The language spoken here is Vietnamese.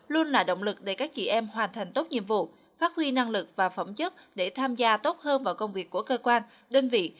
luôn là động lực để các chị em hoàn thành tốt nhiệm vụ phát huy năng lực và phẩm chất để tham gia tốt hơn vào công việc của cơ quan đơn vị